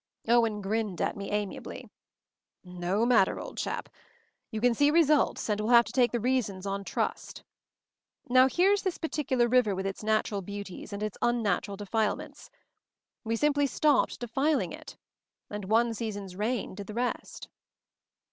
Owen grinned at me amiably. "No mat ter, old chap, you can see results, and will have to take the reasons on trust. Now here's this particular river with its natural beauties, and its unnatural defilements. We simply stopped defiling it — and one season's rain did the rest."